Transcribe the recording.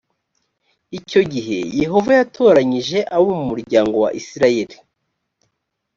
icyo gihe yehova yatoranyije abo mu muryango wa isirayeli